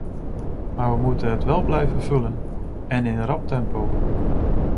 Maar we moeten het wel blijven vullen, en in rap tempo.